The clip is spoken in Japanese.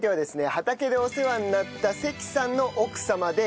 畑でお世話になった関さんの奥様で美晴さんです。